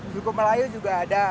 suku melayu juga ada